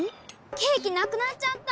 ケーキなくなっちゃった！